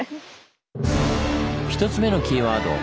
１つ目のキーワード